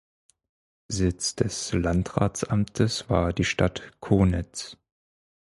Sitz des Landratsamtes war die Stadt Konitz.